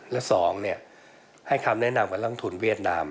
และ๒ให้คำแนะนำกับร่องทุนเวียดนาม